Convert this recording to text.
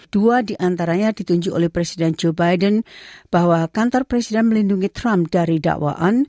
dua diantaranya ditunjuk oleh presiden joe biden bahwa kantor presiden melindungi trump dari dakwaan